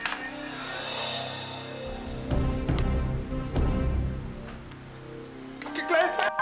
keluarga yang ditinggal sabar tak apa clio